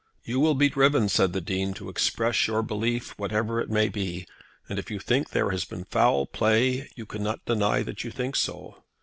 "You will be driven," said the Dean, "to express your belief, whatever it may be; and if you think that there has been foul play, you cannot deny that you think so."